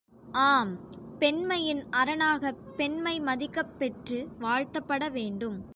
ஆம் பெண்மையின் அரணாகப் பெண்மை மதிக்கப் பெற்று வாழ்த்தப்பட வேண்டும்.